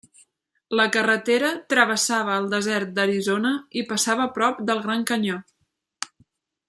La carretera travessava el desert d'Arizona i passava prop del Gran Canyó.